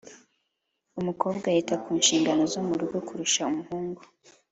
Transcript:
umukobwa yita ku nshingano zo mu rugo kurusha umuhungu.